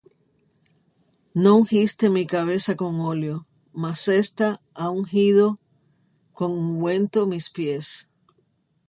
No ungiste mi cabeza con óleo; mas ésta ha ungido con ungüento mis pies.